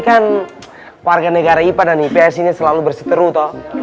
kan warga negara ipan dan ips ini selalu berseteru toh